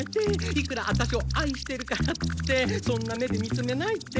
いくらアタシをあいしてるからってそんな目で見つめないで。